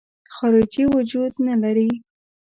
خارجي وجود نه لري.